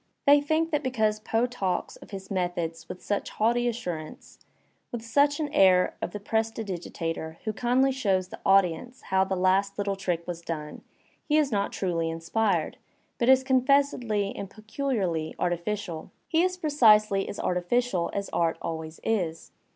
They think that because Poe talks of his methods with such jaunty assurance, with such an air of the prestidigitator who kindly shows the audi ence how the last Uttle trick was done, he is not truly in spired, but is confessedly and peculiarly artificial. He is precisely as artificial as art always is.